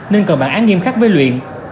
nên cần bản án nghiêm khắc với luyện